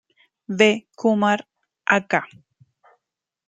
V. Kumar, Ak.